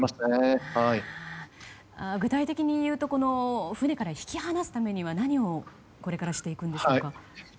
具体的に言うとこの船から引き離すためには何をこれからしていくんでしょうか。